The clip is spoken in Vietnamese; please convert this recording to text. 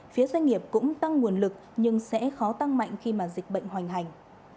phía doanh nghiệp cũng tăng nguồn lực nhưng sẽ khó tăng mạnh khi mà dịch bệnh hoành hành